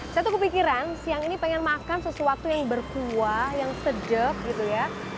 saya tuh kepikiran siang ini pengen makan sesuatu yang berkuah yang sejuk gitu ya